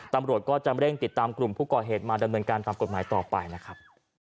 ตำรวจก็จะเร่งติดตามกลุ่มผู้ก่อเหตุมาดำเนินการตามกฎหมายต่อไปนะครับ